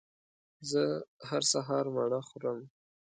زه هر سهار مڼه خورم